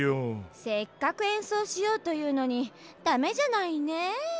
せっかくえんそうしようというのに駄目じゃないねえ。